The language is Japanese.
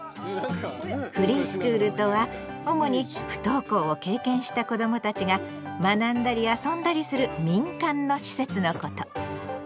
フリースクールとは主に不登校を経験した子どもたちが学んだり遊んだりする民間の施設のこと。